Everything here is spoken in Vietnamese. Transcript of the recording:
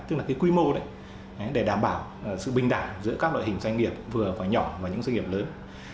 tức là cái quy mô đấy để đảm bảo sự bình đẳng giữa các loại hình doanh nghiệp vừa và nhỏ và những doanh nghiệp lớn